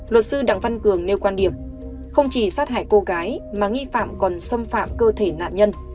luật sư đặng văn cường nêu quan điểm không chỉ sát hại cô gái mà nghi phạm còn xâm phạm cơ thể nạn nhân